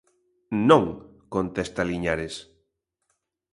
"Non", contesta Liñares.